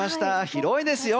広いですよ